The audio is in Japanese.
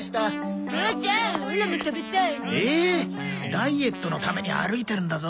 ダイエットのために歩いてるんだぞ。